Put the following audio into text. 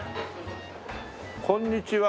こんにちは。